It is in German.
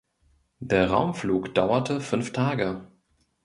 Der Raumflug dauerte fünf Tage.